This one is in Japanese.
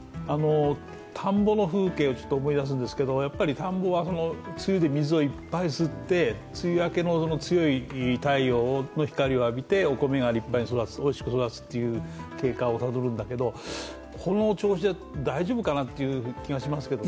田んぼの風景を思い出すんですけど、田んぼは梅雨で水をいっぱい吸って、梅雨明けの強い太陽の光を受けてお米がおいしく育つっていう経過をたどるんだけどこの調子だと、大丈夫かなという気がしますね。